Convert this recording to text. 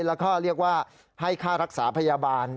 แล้วก็เรียกว่าให้ค่ารักษาพยาบาล